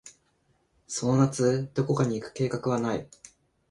その夏、どこかに行く計画はない。